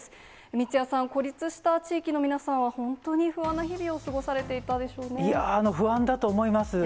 三屋さん、孤立した地域の皆さんは本当に不安な日々を過ごされていたでしょいやー、不安だと思います。